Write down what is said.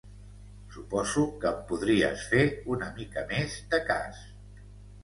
Suposo que em podries fer una mica més de cas.